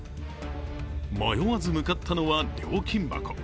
迷わず向かったのは料金箱。